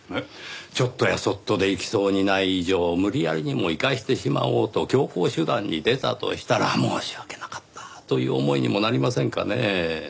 ちょっとやそっとで逝きそうにない以上無理やりにも逝かせてしまおうと強硬手段に出たとしたら申し訳なかったという思いにもなりませんかねぇ。